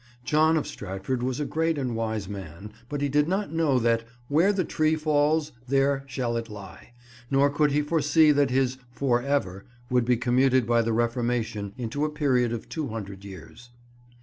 John of Stratford was a great and wise man, but he did not know that "where the tree falls, there shall it lie"; nor could he foresee that his "for ever" would be commuted by the Reformation into a period of two hundred years.